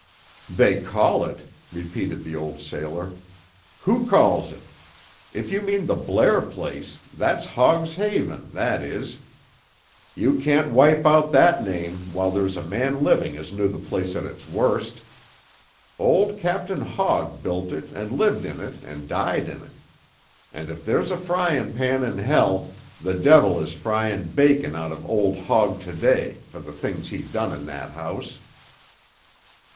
"They call it!" repeated the old sailor. "Who calls it? If you mean the Blair place, that's Hogg's Haven, that is! You can't wipe out that name while there's a man living as knew the place at its worst. Old Captain Hogg built it and lived in it and died in it. And if there's a fryin' pan in hell, the devil is fryin' bacon out of old Hogg to day for the things he done in that house."